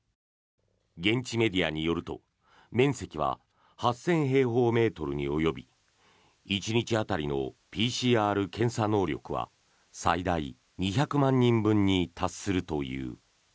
現地メディアによると、面積は８０００平方メートルに及び１日当たりのＰＣＲ検査能力は最大２００万人分に達するという。